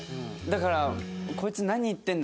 だから。